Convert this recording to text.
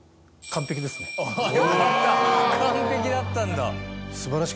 完璧だったんだ。